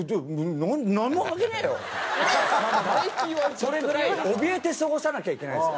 それぐらいおびえて過ごさなきゃいけないんですよ。